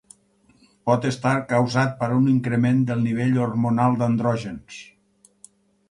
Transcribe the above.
Pot estar causat per un increment del nivell hormonal d'andrògens.